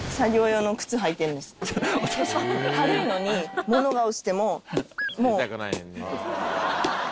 軽いのに物が落ちても。